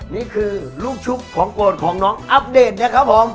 นี่คือลูกชุบของโกรธของน้องอัปเดตนะครับผม